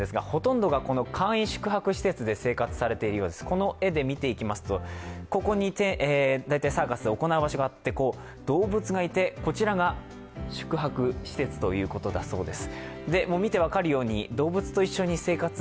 この絵で見ていきますとサーカスを行う場所があって動物がいて、こちらが宿泊施設ということだそうです。